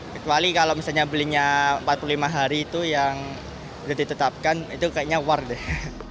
kecuali kalau misalnya belinya empat puluh lima hari itu yang udah ditetapkan itu kayaknya war deh